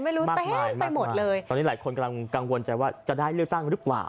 มากมายไปหมดเลยตอนนี้หลายคนกำลังกังวลใจว่าจะได้เลือกตั้งหรือเปล่า